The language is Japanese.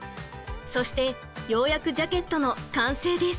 そしてようやくジャケットの完成です。